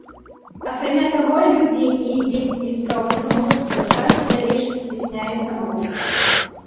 Акрамя таго, людзі, якія здзейснілі спробу самагубства, часта ў далейшым здзяйсняюць самагубства.